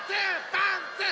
パンツー！